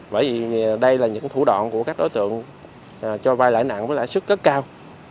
vậy thì đây là những thủ đoạn của các đối tượng cho vay lãi nặng với lại sức cất cao